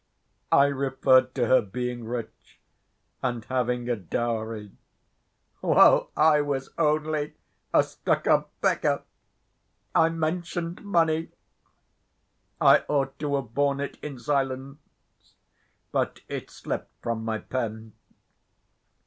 I referred to her being rich and having a dowry while I was only a stuck‐up beggar! I mentioned money! I ought to have borne it in silence, but it slipped from my pen.